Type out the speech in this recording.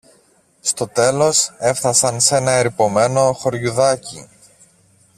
Στο τέλος έφθασαν σ' ένα ερειπωμένο χωριουδάκι